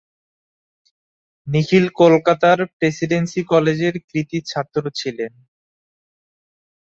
নিখিল কলকাতার প্রেসিডেন্সি কলেজের কৃতি ছাত্র ছিলেন।